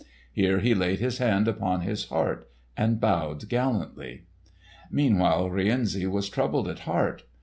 Here he laid his hand upon his heart and bowed gallantly. Meanwhile, Rienzi was troubled at heart.